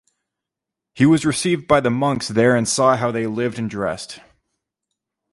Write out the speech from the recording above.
He was received by the monks there and saw how they lived and dressed.